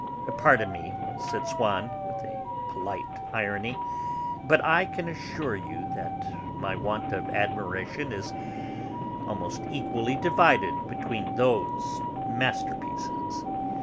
"Pardon me," said Swann with polite irony, "but I can assure you that my want of admiration is almost equally divided between those masterpieces."